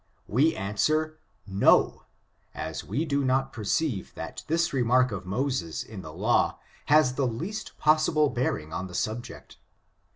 We answer, no; as we do not perceive th9>t this remark of Moses in the law has the least possible bearing on the subject.